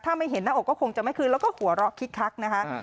ถ้าไม่เห็นหน้าอกก็คงจะไม่คืนแล้วก็หัวเราะคิกคักนะคะ